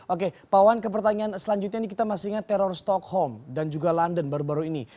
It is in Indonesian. oke pak wan ke pertanyaan selanjutnya ini kita masih ingat teror stockholm dan juga london baru baru ini